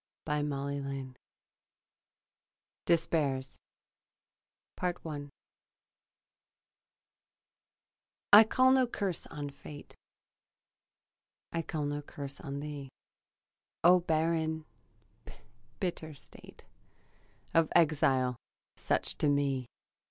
DESPAIRS I I call no curse on fate, I call no curse on thee, O barren bitter state Of exile, such to me.